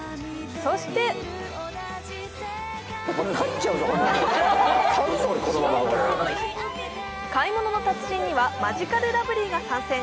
そして、「買い物の達人」にはマヂカルラブリーが参戦。